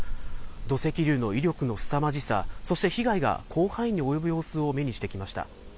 土石流の威力のすさまじさ、そして被害が広範囲に及ぶ様子を目にしてきました。